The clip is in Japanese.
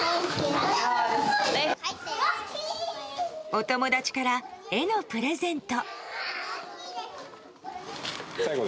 お友達から絵のプレゼント。